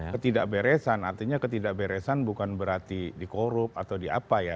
ketidakberesan artinya ketidakberesan bukan berarti dikorup atau diapa ya